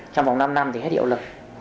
trong vòng năm năm thì hết hiệu lực